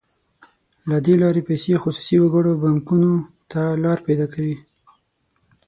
له دې لارې پیسې خصوصي وګړو او بانکونو ته لار پیدا کوي.